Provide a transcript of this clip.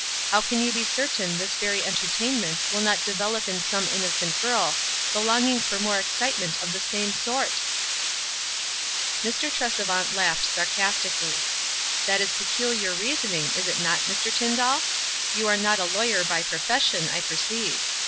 How can you be cer tain this very entertainment will not develop in some innocent girl the longing for more excite ment of the same sort ?" Mr. Tresevaut laughed sarcastiaclly. "That is peculiar reasoning, is it not, Mr. Tyndall? You are not a lawyer by profession, I perceive.